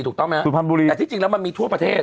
แต่จริงแล้วมันมีทั่วประเทศ